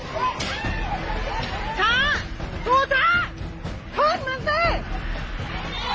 พึ่งหมา